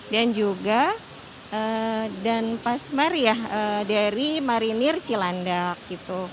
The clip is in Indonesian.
dan juga dan pasmar ya dari marinir cilandak gitu